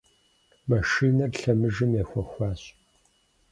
Машинэр лъэмыжым ехуэхащ.